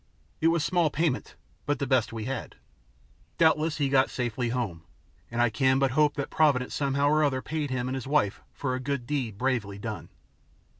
It was small payment, but the best we had. Doubtless he got safely home, and I can but hope that Providence somehow or other paid him and his wife for a good deed bravely done.